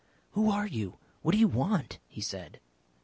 "Who are you? What do you want?" he said.